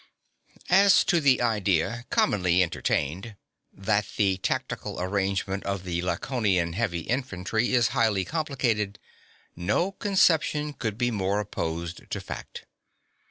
As to the idea, commonly entertained, that the tactical arrangement of the Laconian heavy infantry is highly complicated, no conception could be more opposed to fact.